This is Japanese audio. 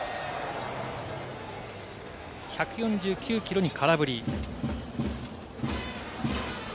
１４９キロに空振り。